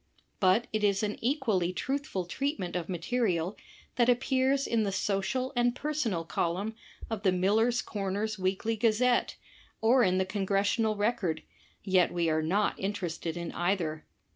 But it is an equally truthful treatment of material that appears in the Social and Personal column of the Miller^s Corners Weekly Gazette^ or in the Congressional Record, yet we are not interested in either.